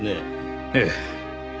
ええ。